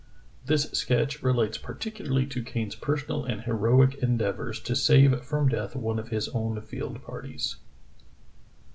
This sketch relates particularly to Kane's per sonal and heroic endeavors to save from death one of his own field parties.